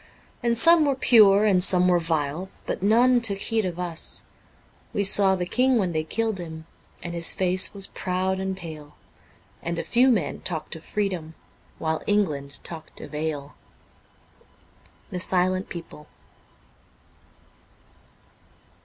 And some were pure and some were vile, but none took heed of us ; We saw the King when they killed him, and his face was proud and pale, And a few men talked of freedom while England talked of ale. ' The Silent People.'